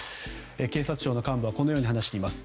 警察庁の幹部はこう話しています。